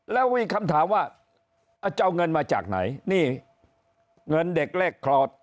แล้วมีคำถามว่าจะเอาเงินมาจากไหนนี่เงินเด็กแรกคลอด